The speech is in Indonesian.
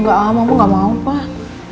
gak ama mbak gak mau pak